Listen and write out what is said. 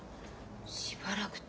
しばらくって。